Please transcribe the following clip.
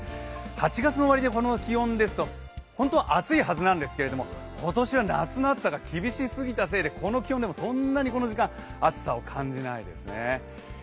８月の終わりでこの気温ですと本当は暑いはずなんですけれども、今年は夏の暑さが厳しすぎたせいでこの気温でもそんなにこの時間、暑さを感じないですね。